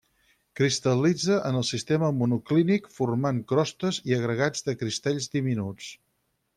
Cristal·litza en el sistema monoclínic formant crostes i agregats de cristalls diminuts.